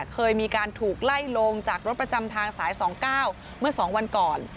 เคยมีการถูกไล่ลงจากรถประจำทางสาย๒๙เมื่อ๒วันก่อน